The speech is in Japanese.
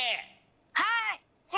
はい！